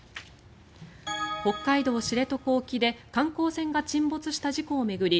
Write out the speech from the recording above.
北海道・知床沖で観光船が沈没した事故を巡り